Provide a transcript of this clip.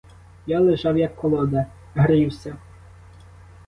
Я лежав, як колода, грівся.